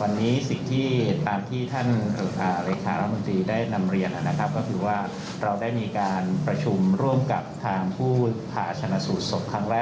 วันนี้สิ่งที่ตามที่ท่านเลขารัฐมนตรีได้นำเรียนนะครับก็คือว่าเราได้มีการประชุมร่วมกับทางผู้ผ่าชนะสูตรศพครั้งแรก